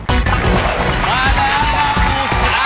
เอามาเป็นหมดครับ